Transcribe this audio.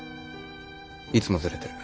いつもずれてる。